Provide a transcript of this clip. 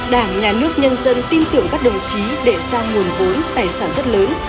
đảng nhà nước nhân dân tin tưởng các đồng chí để ra nguồn vốn tài sản rất lớn